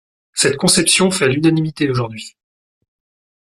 Cette conception fait l’unanimité aujourd’hui.